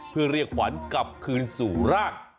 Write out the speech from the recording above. เพื่อเรียกขวัญกลับคืนสู่ร่าง